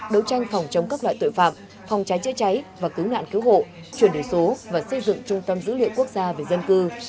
đấu tranh phòng chống các loại tội phạm phòng cháy chữa cháy và cứu nạn cứu hộ chuyển đổi số và xây dựng trung tâm dữ liệu quốc gia về dân cư